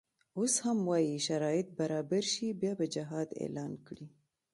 اوس هم وایي شرایط برابر شي بیا به جهاد اعلان کړي.